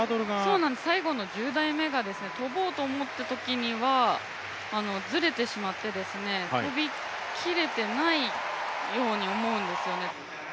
そうなんです、最後の１０台目が跳ぼうと思ったときにはずれてしまって跳び切れていないように思うんですね。